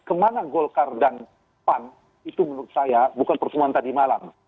kemana golkar dan pan itu menurut saya bukan pertemuan tadi malam